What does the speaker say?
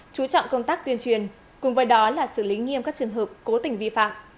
chú trọng công tác tuyên truyền cùng với đó là xử lý nghiêm các trường hợp cố tình vi phạm